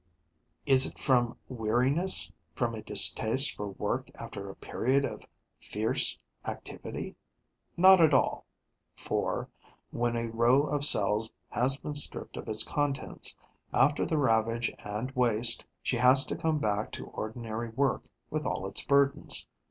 Is it from weariness, from a distaste for work after a period of fierce activity? Not at all; for, when a row of cells has been stripped of its contents, after the ravage and waste, she has to come back to ordinary work, with all its burdens.